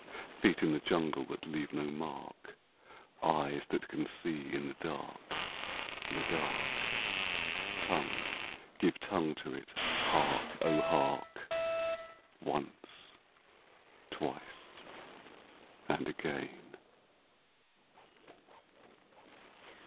Feet in the jungle that leave no mark! Eyes that can see in the dark the dark! Tongue give tongue to it! Hark! O hark! Once, twice and again!